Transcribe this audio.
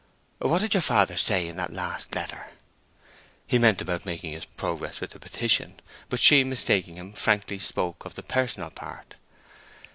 What did your father say in that last letter?" He meant about his progress with the petition; but she, mistaking him, frankly spoke of the personal part.